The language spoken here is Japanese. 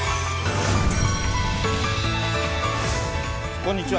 こんにちは。